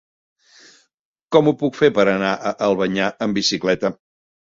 Com ho puc fer per anar a Albanyà amb bicicleta?